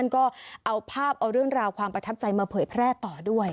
ก็เอาภาพเอาเรื่องราวความประทับใจมาเผยแพร่ต่อด้วย